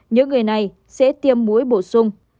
những người này sẽ tiêm mũi bổ sung